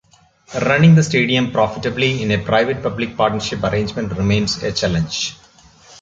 Running the stadium profitably in a private-public partnership arrangement remains a challenge.